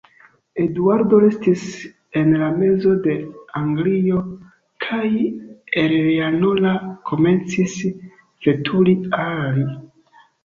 Eduardo restis en la mezo de Anglio, kaj Eleanora komencis veturi al li.